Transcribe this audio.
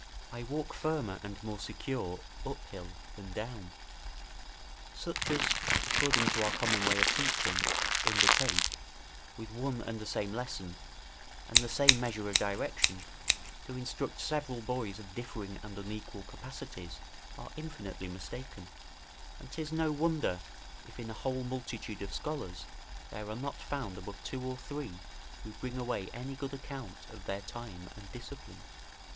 I walk firmer and more secure up hill than down. Such as, according to our common way of teaching, undertake, with one and the same lesson, and the same measure of direction, to instruct several boys of differing and unequal capacities, are infinitely mistaken; and 'tis no wonder, if in a whole multitude of scholars, there are not found above two or three who bring away any good account of their time and discipline.